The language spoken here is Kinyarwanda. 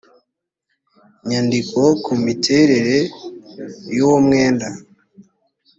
nyandiko ku miterere y uwo mwenda